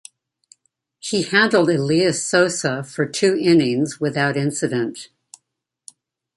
He handled Elias Sosa for two innings without incident.